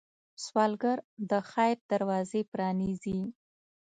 سوالګر د خیر دروازې پرانيزي